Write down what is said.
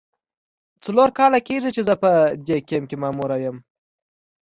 څلور کاله کیږي چې زه په دې کمپ کې ماموره یم.